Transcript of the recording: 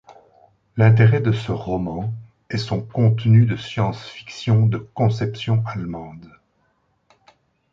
L'intérêt de ce roman est son contenu de science-fiction de conception allemande.